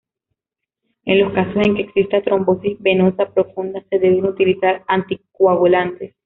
En los casos en que exista trombosis venosa profunda, se deben utilizar anticoagulantes.